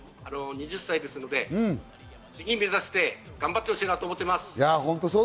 ２０歳ですので次目指して頑張ってほしいなと思っています。